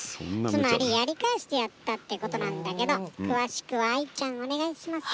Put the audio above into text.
つまりやり返してやったということなんだけど詳しくは愛ちゃんお願いします。